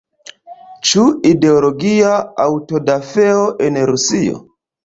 Ĉu ideologia aŭtodafeo en Rusio?